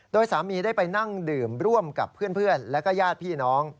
โดยสามีได้ไปนั่งดื่มร่วมกับเพื่อนและก็ญาติพี่น้อง